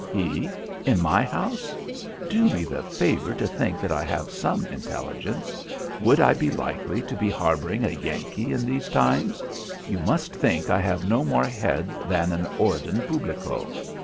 "He? In my house? Do me the favour to think that I have some intelligence. Would I be likely to be harbouring a Yankee in these times? You must think I have no more head than an Orden Publico.